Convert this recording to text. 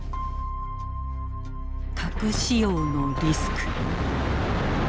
核使用のリスク。